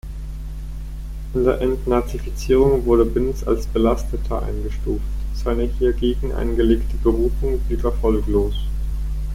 In der Entnazifizierung wurde Binz als „Belasteter“ eingestuft, seine hiergegen eingelegte Berufung blieb erfolglos.